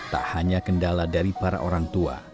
tak hanya kendala dari para orang tua